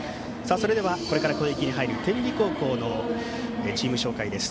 それでは、これから攻撃に入る天理高校のチーム紹介です。